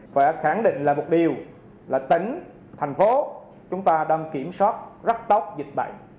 phải khẳng định là một điều là tỉnh thành phố chúng ta đang kiểm soát rất tốt dịch bệnh